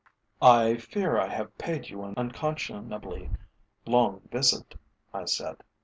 "I fear I have paid you an unconscionably long visit," I said.